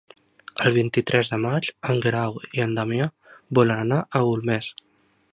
El vint-i-tres de maig en Guerau i en Damià volen anar a Golmés.